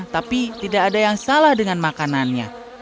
tapi tidak ada yang salah dengan makanannya